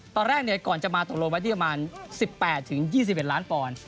ตอนแรกก่อนจะมาตกลงไว้ที่ประมาณ๑๘๒๑ล้านปอนด์